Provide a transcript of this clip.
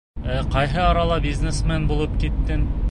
Ә ҡайһы арала бизнесмен булып киттең?